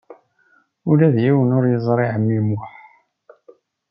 Ula d yiwen ur yeẓri ɛemmi Muḥ.